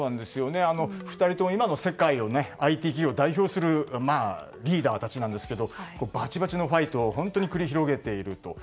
２人とも今の世界をＩＴ企業を代表するリーダーたちですがバチバチのファイトを本当に繰り広げていると。